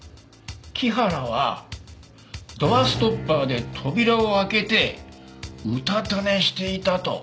木原はドアストッパーで扉を開けてうたた寝していたと？